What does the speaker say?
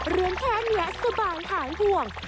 เรื่องแค่นี้สบายหายห่วง